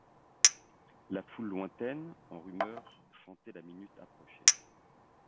La foule lointaine, en rumeur, sentait la minute approcher.